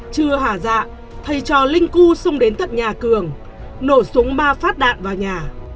chưa hả dạ thầy cho linh cu xung đến tận nhà cường nổ súng ba phát đạn vào nhà